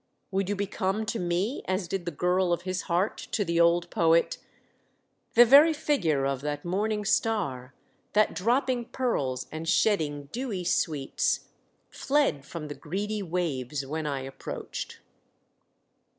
Would you become to me, as did the girl of his heart to the old poet —' The very figure of that Morning Star That, dropping pearls and shedding dewy sweets, Fled from the greedy waves when I approached.'